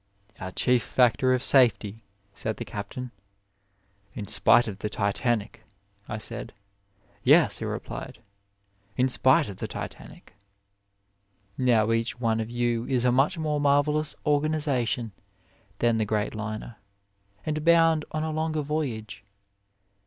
"Our chief factor of safety," said the Captain. "In spite of the Titanic," I said. "Yes," he replied, "in spite of the Titanic." Now each one of you is a much more marvellous organization than the great liner, and bound on a longer voyage.